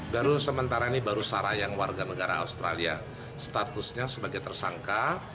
baru sementara ini baru sarah yang warga negara australia statusnya sebagai tersangka